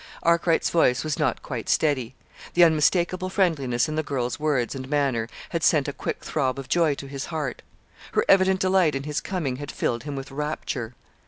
Arkwright's voice was not quite steady. The unmistakable friendliness in the girl's words and manner had sent a quick throb of joy to his heart. Her evident delight in his coming had filled him with rapture.